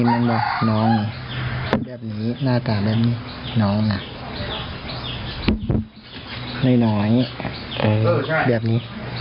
มันแน่นมันบอกนะน้องแน่น้อยแบบนี้